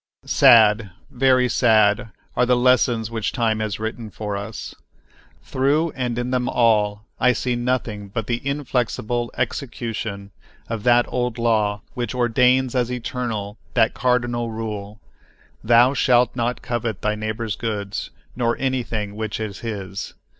Sad, very sad, are the lessons which time has written for us. Through and in them all I see nothing but the inflexible execution of that old law which ordains as eternal that cardinal rule, "Thou shalt not covet thy neighbor's goods, nor anything which is his."